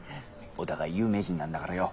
お互い有名人なんだからよォ。